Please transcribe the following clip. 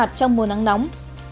hạt trong mùa nắng nóng